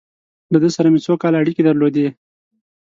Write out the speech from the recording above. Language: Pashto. له ده سره مې څو کاله اړیکې درلودې.